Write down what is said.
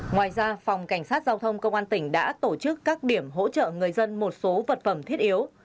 ngoài ra phòng cảnh sát giao thông công an tỉnh đã tổ chức các điểm hỗ trợ người dân một số vật phẩm thiết yếu